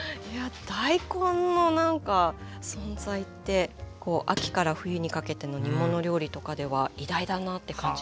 大根のなんか存在って秋から冬にかけての煮物料理とかでは偉大だなって感じます。